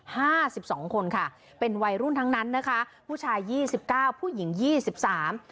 ห้าสิบสองคนค่ะเป็นวัยรุ่นทั้งนั้นนะคะผู้ชายยี่สิบเก้าผู้หญิงยี่สิบสาม